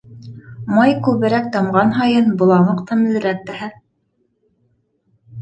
Май күберәк тамған һайын боламыҡ тәмлерәк тәһә.